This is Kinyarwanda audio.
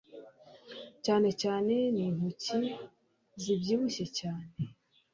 Cyane cyane nintoki zibyibushye cyane